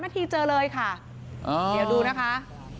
นาทีเจอเลยค่ะเดี๋ยวดูนะคะ